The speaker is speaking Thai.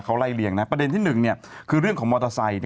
เขาไล่เลี่ยงนะประเด็นที่๑คือเรื่องของมอเตอร์ไซค์